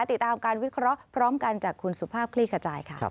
ติดตามการวิเคราะห์พร้อมกันจากคุณสุภาพคลี่ขจายค่ะ